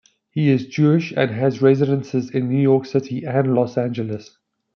He is Jewish and has residences in New York City and Los Angeles.